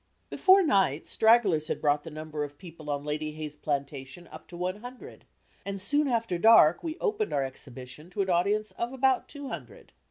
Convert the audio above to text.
Before night, stragglers had brought the number of people on Lady Hayes' plantation up to one hundred, and soon after dark, we opened our exhibition to an audience of about two hundred.